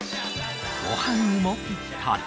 ご飯にもぴったり